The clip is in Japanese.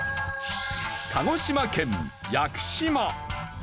鹿児島県屋久島。